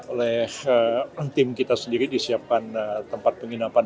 oleh tim kita sendiri disiapkan tempat penginapan